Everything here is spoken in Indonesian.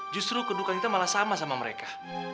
justru kedukan kita malah sama sama mereka